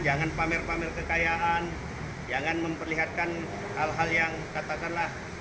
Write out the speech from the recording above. jangan pamer pamer kekayaan jangan memperlihatkan hal hal yang katakanlah